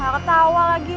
gak ketawa lagi